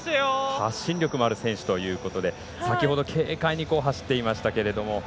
発信力のある選手ということで先ほど、軽快に走っていましたけれども。